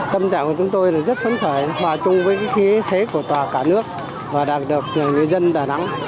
tâm trạng của chúng tôi rất phấn khởi hòa chung với khí thế của tòa cả nước và đặc độc người dân đà nẵng